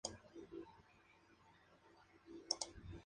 El convento la reformó para que fuese su hospedería.